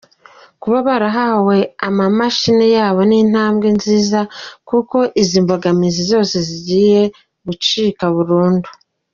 Kuba barahawe amamashini yabo ni intambwe nziza kuko izi mbogamizi zose zigiye gucika burundu.